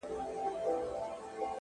ه تا ويل اور نه پرېږدو تنور نه پرېږدو؛